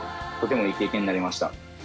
とてもいい経験になりました。